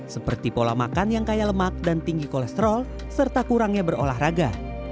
seperti pola makan yang kaya lemak dan tinggi kolesterol serta kurangnya berolahraga